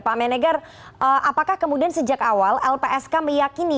pak menegar apakah kemudian sejak awal lpsk meyakini